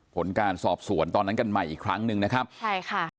ผลการสอบสวนตอนนั้นกันใหม่อีกครั้งหนึ่งนะครับใช่ค่ะ